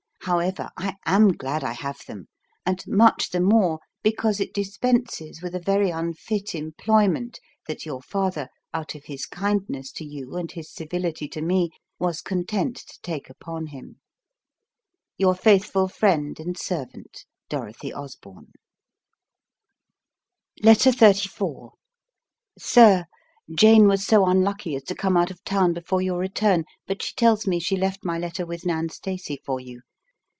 However, I am glad I have them, and much the more because it dispenses with a very unfit employment that your father, out of his kindness to you and his civility to me, was content to take upon him. Letter 34. SIR, Jane was so unlucky as to come out of town before your return, but she tells me she left my letter with Nan Stacy for you.